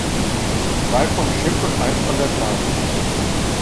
Zwei vom Schiff und eines von der Fahrt.